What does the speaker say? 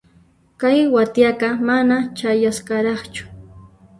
Kay wathiaqa mana chayasqaraqchu.